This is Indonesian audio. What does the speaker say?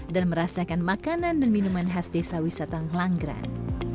dan merasakan makanan dan minuman khas desa wisata ngelanggeran